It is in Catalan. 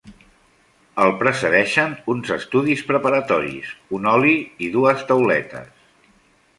El precedeixen uns estudis preparatoris, un oli i dues tauletes.